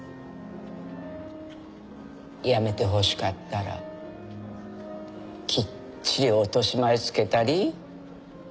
やめてほしかったらきっちり落とし前つけたりぃ。